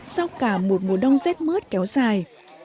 sau cả một mùa đông dết mướt kéo dài